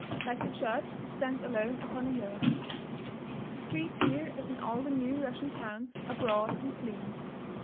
Like the church, it stands alone upon a hill. The streets here, as in all the new Russian towns, are broad and clean.